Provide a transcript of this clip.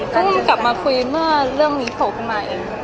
เพิ่งกลับมาคุยเมื่อเรื่องนี้โผล่ขึ้นมาเอง